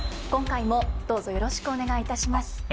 今回もどうぞよろしくお願いいたします。